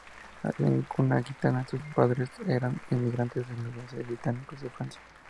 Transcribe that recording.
Nació de cuna gitana, sus padres eran inmigrantes andaluces gitanos en Francia.